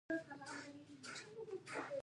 کوچیان د افغان ځوانانو د هیلو استازیتوب کوي.